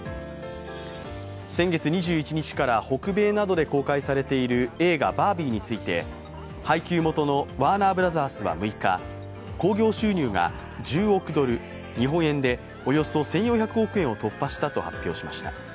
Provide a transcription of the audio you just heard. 先月２１日から北米などで公開されている映画「バービー」について配給元のワーナー・ブラザースは６日、興行収入が１０億ドル、日本円でおよそ１４００億円を突破したと発表しました。